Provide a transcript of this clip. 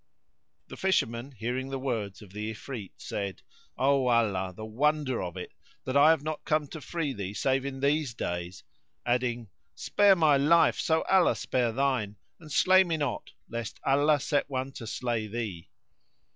The Fisherman, hearing the words of the Ifrit, said, "O Allah! the wonder of it that I have not come to free thee save in these days!" adding, "Spare my life, so Allah spare thine; and slay me not, lest Allah set one to slay thee."